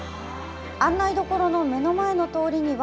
案内処の目の前の通りには、